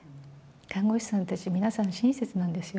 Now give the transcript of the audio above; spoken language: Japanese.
看護師さんたち、皆さん親切なんですよ。